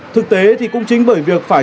thực tế thì cũng chính bởi việc phải